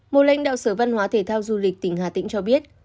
một lãnh đạo sở văn hóa thể thao du lịch tỉnh hà tĩnh cho biết